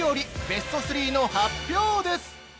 ベスト３の発表です！